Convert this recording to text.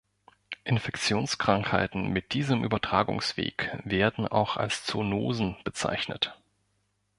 Infektionskrankheiten mit diesem Übertragungsweg werden auch als Zoonosen bezeichnet.